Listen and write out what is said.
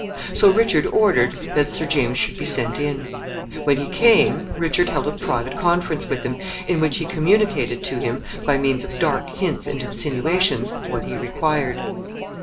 So Richard ordered that Sir James should be sent in. When he came, Richard held a private conference with him, in which he communicated to him, by means of dark hints and insinuations, what he required.